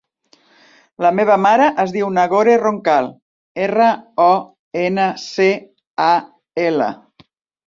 La meva mare es diu Nagore Roncal: erra, o, ena, ce, a, ela.